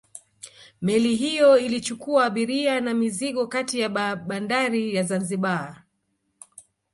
Meli hiyo ilichukua abiria na mizigo kati ya bandari ya Zanzibar